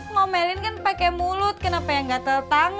ngomelin kan pakai mulut kenapa yang gatel tangan